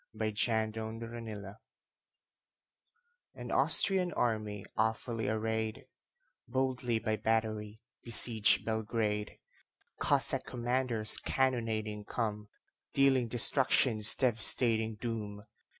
Y Z The Siege of Belgrade AN Austrian army, awfully arrayed, Boldly by battery besieged Belgrade. Cossack commanders cannonading come, Dealing destruction's devastating doom.